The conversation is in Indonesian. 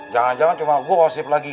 jangan jangan cuma gue gosip lagi